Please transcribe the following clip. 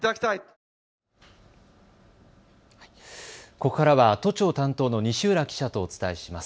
ここからは都庁担当の西浦記者とお伝えします。